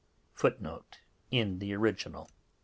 [Footnote in the original.